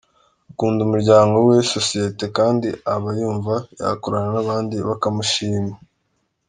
Akunda umuryango we, sosiyete kandi abayumva yakorana n’abandi bakamushima.